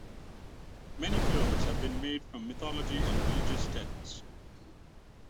Many films have been made from mythology and religious texts.